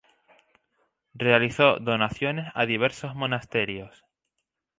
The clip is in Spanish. Realizó donaciones a diversos monasterios.